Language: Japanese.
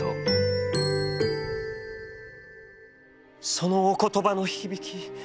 「そのお言葉の響き